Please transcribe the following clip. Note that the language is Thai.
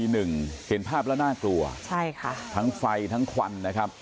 เห็นภาพแล้วน่ากลัวใช่ค่ะทั้งไฟทั้งควันนะครับ